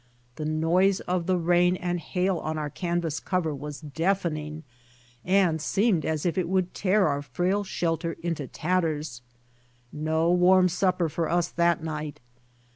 The noise of the rain and hail on our canvas cover was deafen ing and seemed as if it Avould tear our frail shelter into tatters. No warm supper for us that night.